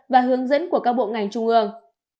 và hướng dẫn của các bộ ngành trung ương